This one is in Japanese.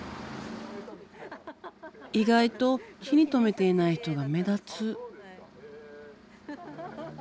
意外と気に留めていない人が目立つ。